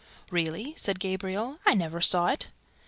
"Really?" said Gabriel, "I never saw it."